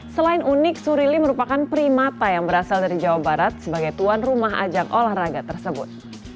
selain unik surili merupakan primata yang berasal dari jawa barat sebagai tuan rumah ajang olahraga tersebut